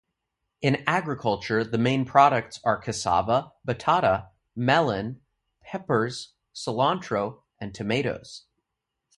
In agriculture the main products are cassava, batata, melon, peppers, cilantro and tomatoes.